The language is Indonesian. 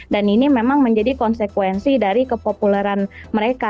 dan ini memang menjadi konsekuensi dari kepopuleran mereka